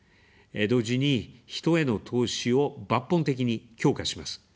同時に、人への投資を抜本的に強化します。